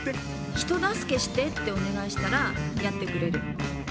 「人助けして」ってお願いしたらやってくれる。